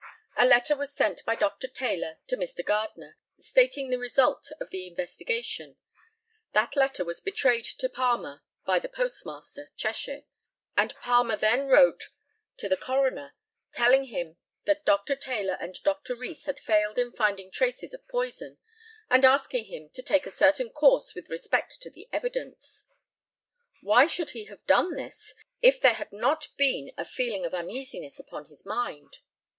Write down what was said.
A letter was sent by Dr. Taylor to Mr. Gardner, stating the result of the investigation; that letter was betrayed to Palmer by the postmaster, Cheshire, and Palmer then wrote to the coroner, telling him that Dr. Taylor and Dr. Rees had failed in finding traces of poison, and asking him to take a certain course with respect to the evidence. Why should he have done this if there had not been a feeling of uneasiness upon his mind?